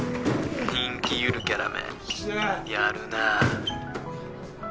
人気ゆるキャラめやるなぁ。